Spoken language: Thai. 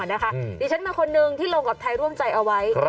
ดิฉันมาคนนึงที่ลงกับไทยร่วมใจเอาไว้